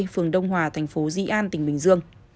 phường đông hòa thành phố di an tỉnh bình dương